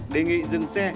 đề nghị dừng xe